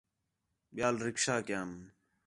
ٻِیال رکشہ کیام